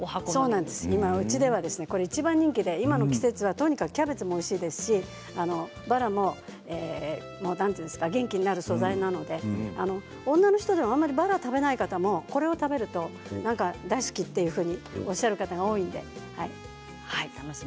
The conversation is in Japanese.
うちでは一番人気で今の季節がキャベツもおいしいですし豚バラも元気になる素材なので女の人でもあまりバラを食べない方もこれを食べると大好きというふうにおっしゃる方が多いので。